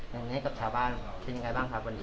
อย่างนี้กับชาวบ้านเป็นยังไงบ้างครับวันนี้